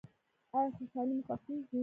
ایا خوشحالي مو خوښیږي؟